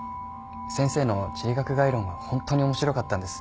先生の地理学概論はホントに面白かったんです。